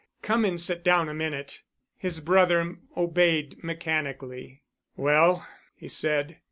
Come and sit down a minute." His brother obeyed mechanically. "Well," he said.